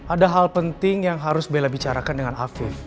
ada hal penting yang harus diberikan ke bella